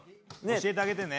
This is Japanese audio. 教えてあげてね。